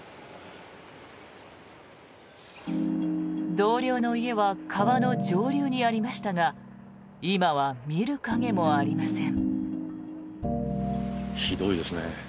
同僚の家は川の上流にありましたが今は見る影もありません。